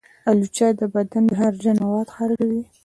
الوچه د بدن زهرجن مواد خارجوي.